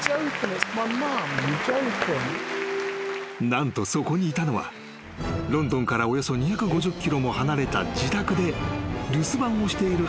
［何とそこにいたのはロンドンからおよそ２５０ｋｍも離れた自宅で］